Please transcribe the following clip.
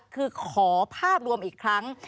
คือขอภาพรวมอีกครั้ง